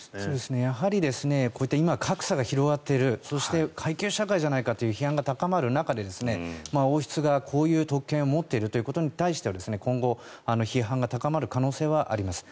やはり格差が広がっているそして、階級社会じゃないかという批判が高まる中王室がこういう特権を持っているということに対しては今後、批判が高まる可能性はあります。